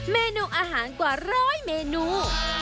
เมนูอาหารกว่าร้อยเมนู